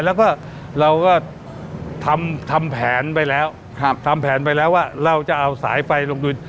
แล้วก็เราก็ทำทำแผนไปแล้วครับทำแผนไปแล้วว่าเราจะเอาสายไฟลงทุน